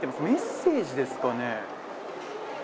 メッセージですかね。